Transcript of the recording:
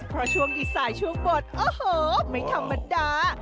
เพราะช่วงดีสายช่วงบนโอ้โหไม่ธรรมดา